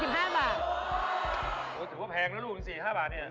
รู้สึกว่าแพงแล้วลุง๔๕บาทเนี่ย